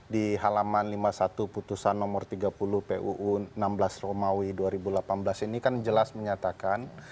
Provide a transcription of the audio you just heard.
di halaman lima puluh satu putusan nomor tiga puluh puu enam belas romawi dua ribu delapan belas ini kan jelas menyatakan